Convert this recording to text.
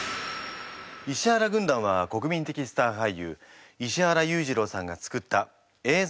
石原軍団は国民的スター俳優石原裕次郎さんが作ったえい